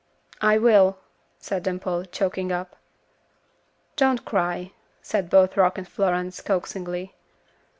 "I will," said Dimple, choking up. "Don't cry," said both Rock and Florence, coaxingly.